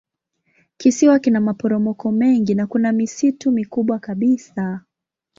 Kisiwa kina maporomoko mengi na kuna misitu mikubwa kabisa.